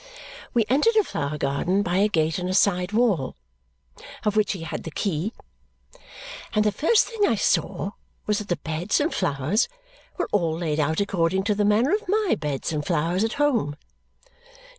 We entered a flower garden by a gate in a side wall, of which he had the key, and the first thing I saw was that the beds and flowers were all laid out according to the manner of my beds and flowers at home.